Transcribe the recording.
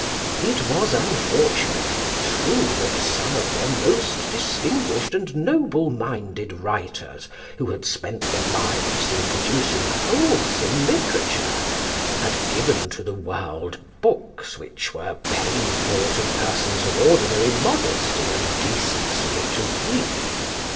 It was, unfortunately, true that some of their most distinguished and noble minded writers, who had spent their lives in producing wholesome literature had given to the world books which were painful to persons, of ordinary modesty and decency, to read.